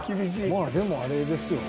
まあでもあれですよね。